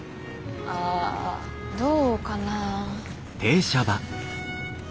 ああどうかな。